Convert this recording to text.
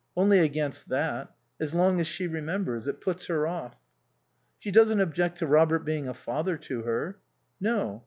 "Only against that. As long as she remembers. It puts her off." "She doesn't object to Robert being a father to her." "No.